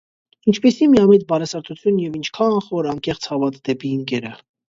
ինչպիսի՞ միամիտ բարեսրտություն և ի՜նչքան խոր, անկեղծ հավատ դեպի ընկերը: